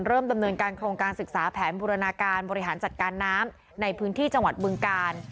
เริ่มดำเนินการโครงการศึกษาแผนบูรณาการบริหารจัดการน้ำในพื้นที่จังหวัดบึงกาล